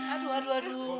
aduh aduh aduh